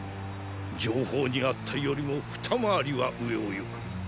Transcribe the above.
情報にあったよりも二回りは上をゆく。